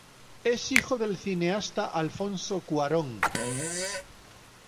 Es hijo del cineasta Alfonso Cuarón.